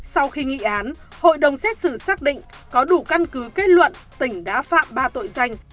sau khi nghị án hội đồng xét xử xác định có đủ căn cứ kết luận tỉnh đã phạm ba tội danh